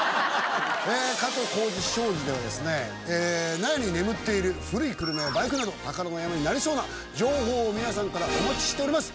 加藤浩次商事では、納屋に眠っている古い車やバイクなど、宝の山になりそうな情報を皆さんからお待ちしております。